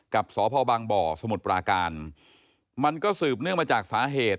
กับสพบางบ่อสมุทรปราการมันก็สืบเนื่องมาจากสาเหตุ